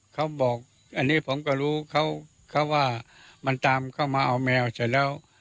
เขาบอกอันนี้ผมก็รู้เขาว่ามันตามเข้ามาเอาแมวเสร็จแล้ว